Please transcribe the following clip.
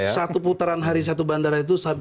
satu putaran hari satu bandara itu